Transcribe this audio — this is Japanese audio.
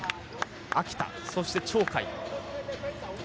秋田、そして鳥海。